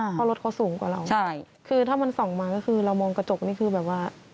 เพราะรถเขาสูงกว่าเราใช่คือถ้ามันส่องมาก็คือเรามองกระจกนี่คือแบบว่า